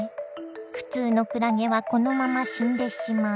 普通のクラゲはこのまま死んでしまう。